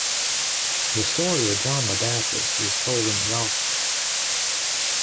The story of John the Baptist is told in the Gospels.